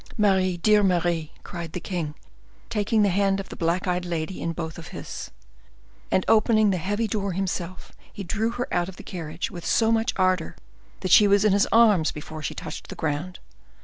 "Marie, dear Marie," cried the king, taking the hand of the black eyed lady in both his. And opening the heavy door himself, he drew her out of the carriage with so much ardor, that she was in his arms before she touched the ground.